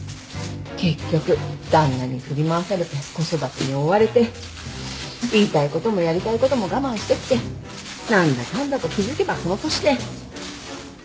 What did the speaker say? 結局旦那に振り回されて子育てに追われて言いたいこともやりたいことも我慢してきて何だかんだと気付けばこの年で。